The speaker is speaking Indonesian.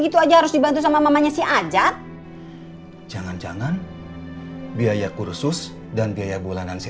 terima kasih aja harus dibantu sama mamanya si ajat jangan jangan biaya kursus dan biaya bulanan si